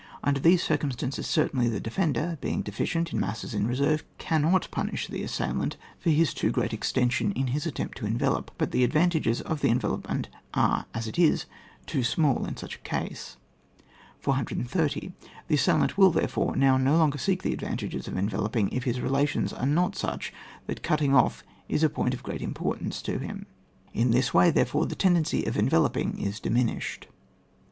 Under these circumstances cer tainly the defender, being deficient in masses in reserve, cannot punish the as sailant for his too great extension in his attempt to envelop, but the advantages of the envelopment are as it is too small in such a case. 430. The assailant wUl, therefore, now no longer seek the advantages of en veloping if his relations are not such that cutting off is a point of great im portance to him. In this way, there fore, the tendency to enveloping is di minished.